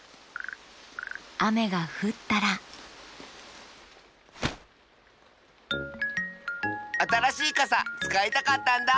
あめがふったらあたらしいかさつかいたかったんだ！